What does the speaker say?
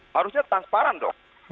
harusnya transparan dong